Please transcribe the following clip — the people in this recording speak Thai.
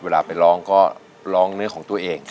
เวลาไปร้องก็ร้องเนื้อของตัวเอง